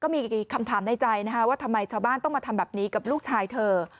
มีคำถามในใจว่าทำไมชาวบ้านต้องมาทำแบบนี้กับลูกชายเธอ